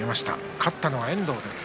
勝ったのは遠藤です。